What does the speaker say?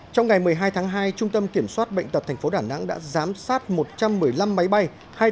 trong ngày một mươi hai tháng hai trung tâm kiểm soát bệnh tật tp đà nẵng đã giám sát một trăm một mươi năm máy bay